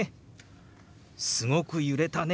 「すごく揺れたね」。